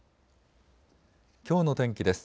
きょうの天気です。